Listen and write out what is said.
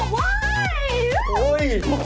เฮ้ย